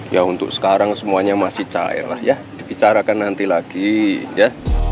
ya untuk sekarang semuanya masih cair lah ya dibicarakan nanti lagi ya